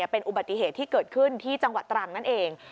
เป็นอุบัติเหตุที่เกิดขึ้นที่จังหวัดตรังนั่นเอง